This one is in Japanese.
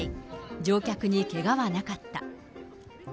乗客にけがはなかった。